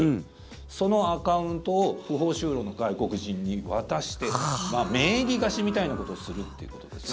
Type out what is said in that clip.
そのアカウントを不法就労の外国人に渡して名義貸しみたいなことをするっていうことですね。